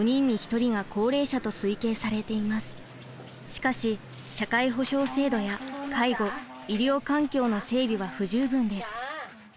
しかし社会保障制度や介護医療環境の整備は不十分です。